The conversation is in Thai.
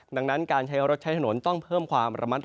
ดังนั้นการใช้รถใช้ถนนต้องเพิ่มความระมัดระวัง